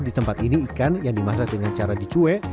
di tempat ini ikan yang dimasak dengan cara dicuek